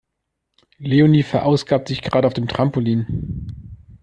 Leonie verausgabt sich gerade auf dem Trampolin.